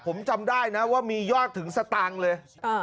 ผมจำได้นะว่ามียอดถึงสตางค์เลย